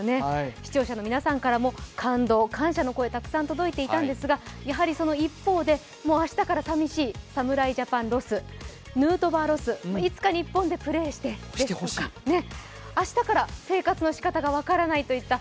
視聴者の皆さんからも感動、感謝の声がたくさん届いていたんですが、やはりその一方で明日から寂しい、侍ジャパンロス、ヌートバーロス、いつか日本で試合してほしいなどの声が上がっていました。